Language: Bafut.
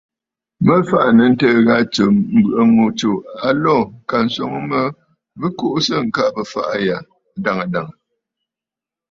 Mə fàʼà nɨ̂ ǹtɨɨ̀ ghâ tsɨm, mbɨ̀ʼɨ̀ ŋù tsù a lǒ ŋka swoŋ mə bɨ kuʼusə ŋkabə̀ ɨfàʼà ghaa adàŋə̀ dàŋə̀.